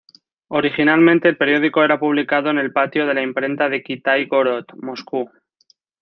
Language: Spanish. Originalmente, el periódico era publicado en el Patio de la Imprenta de Kitai-gorod, Moscú.